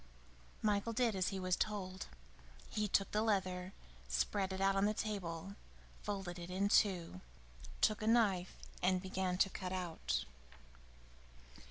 Michael did as he was told. He took the leather, spread it out on the table, folded it in two, took a knife and began to cut out.